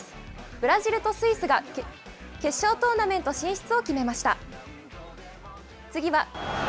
ブラジルとスイスが決勝トーナメント進出を決めました。